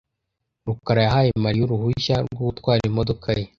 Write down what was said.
rukara yahaye Mariya uruhushya rwo gutwara imodoka ye .